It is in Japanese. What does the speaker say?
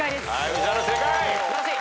宇治原正解。